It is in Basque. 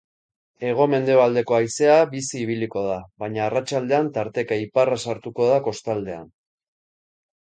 Hego-mendebaldeko haizea bizi ibiliko da, baina arratsaldean tarteka iparra sartuko da kostaldean.